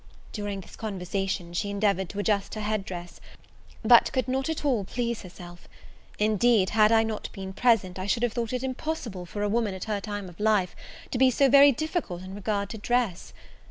During this conversation, she endeavoured to adjust her headdress, but could not at all please herself. Indeed, had I not been present, I should have thought it impossible for a woman, at her time of life, to be so very difficult in regard to dress.